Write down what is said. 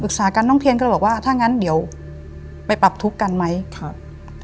สากันน้องเทียนก็เลยบอกว่าถ้างั้นเดี๋ยวไปปรับทุกข์กันไหมครับ